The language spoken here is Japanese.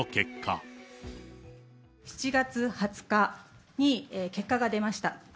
７月２０日に結果が出ました。